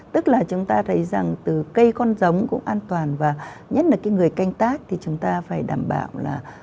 tức là chúng ta thấy rằng từ cây con giống cũng an toàn và nhất là cái người canh tác thì chúng ta phải đảm bảo là